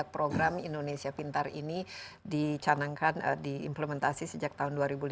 program indonesia pintar ini dicanangkan diimplementasi sejak tahun dua ribu lima belas